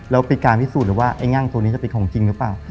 แล้วเป็นการพิสูจน์เลยว่าไอ้งั่งตัวนี้จะเป็นของจริงหรือเปล่า